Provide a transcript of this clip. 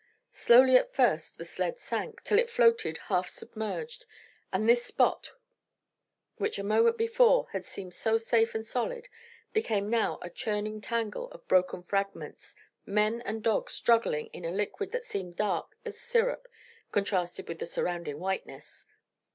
Slowly at first the sled sank, till it floated half submerged, and this spot which a moment before had seemed so safe and solid became now a churning tangle of broken fragments, men and dogs struggling in a liquid that seemed dark as syrup contrasted with the surrounding whiteness.